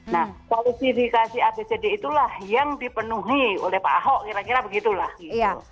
nah kualifikasi apcd itulah yang dipenuhi oleh pak ahok kira kira begitulah gitu